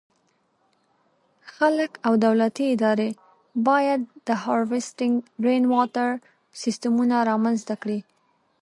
خلک او دولتي ادارې باید د “Rainwater Harvesting” سیسټمونه رامنځته کړي.